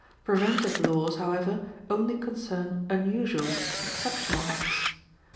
Preventive laws, however, only concern unusual, exceptional acts.